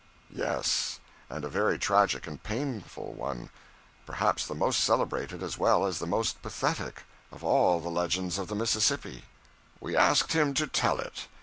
'Yes, and a very tragic and painful one. Perhaps the most celebrated, as well as the most pathetic, of all the legends of the Mississippi.' We asked him to tell it.